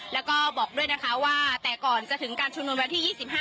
แล้วก็บอกด้วยนะคะว่าแต่ก่อนจะถึงการชุมนุมวันที่๒๕